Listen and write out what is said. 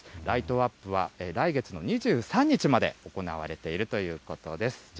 ライトアップは来月の２３日まで行われているということです。